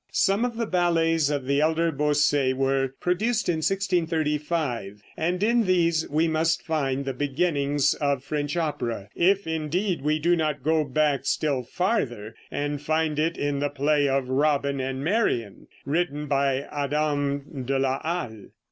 Some of the ballets of the elder Boesset were produced in 1635, and in these we must find the beginnings of French opera, if indeed we do not go back still farther, and find it in the play of "Robin and Marian," written by Adam de la Halle.